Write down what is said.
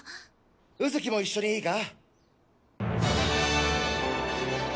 卯月も一緒にいいか？